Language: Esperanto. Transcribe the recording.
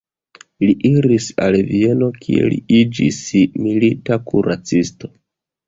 Li iris al Vieno kie li iĝis milita kuracisto.